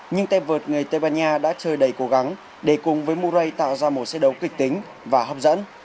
nhưng tay vợt người tây ban nha đã chơi đầy cố gắng để cùng với murray tạo ra một xe đấu kịch tính và hấp dẫn